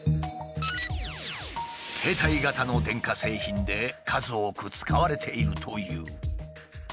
携帯型の電化製品で数多く使われているという。